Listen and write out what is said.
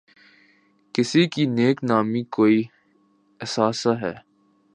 کسی کی نیک نامی کوئی اثاثہ ہے۔